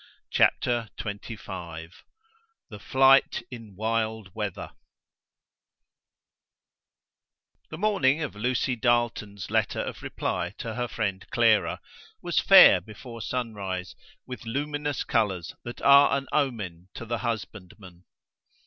CHAPTER XXV THE FLIGHT IN WILD WEATHER The morning of Lucy Darleton's letter of reply to her friend Clara was fair before sunrise, with luminous colours that are an omen to the husbandman.